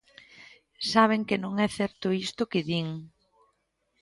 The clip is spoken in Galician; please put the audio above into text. Saben que non é certo isto que din.